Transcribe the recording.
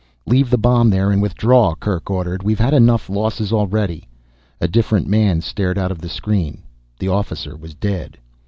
"Leave the bomb there and withdraw," Kerk ordered. "We've had enough losses already." A different man stared out of the screen. The officer was dead.